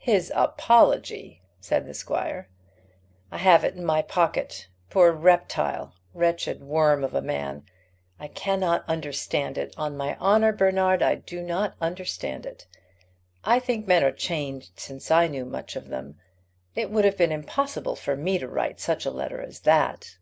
"His apology!" said the squire. "I have it in my pocket. Poor reptile; wretched worm of a man! I cannot understand it. On my honour, Bernard, I do not understand it. I think men are changed since I knew much of them. It would have been impossible for me to write such a letter as that."